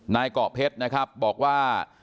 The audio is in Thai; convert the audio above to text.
นายเกาะเพชรนะครับบอกว่า